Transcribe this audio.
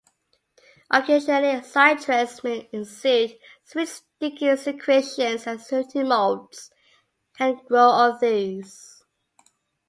Occasionally citrus may exude sweet sticky secretions and sooty molds can grow on these.